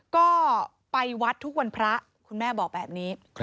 ก็ไปวัดทุกวันพระคุณแม่บอกแบบนี้